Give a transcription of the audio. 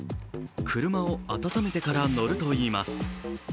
車をあたためてから乗るといいます。